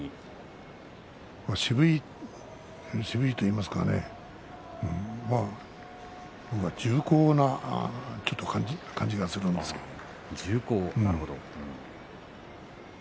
渋いといいますかね重厚な感じがするんですけどね。